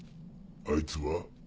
あいつは？